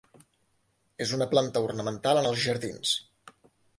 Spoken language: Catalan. És una planta ornamental en els jardins.